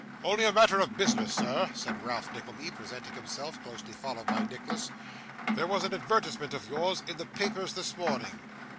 'Only a matter of business, sir,' said Ralph Nickleby, presenting himself, closely followed by Nicholas. 'There was an advertisement of yours in the papers this morning?